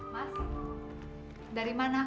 mas dari mana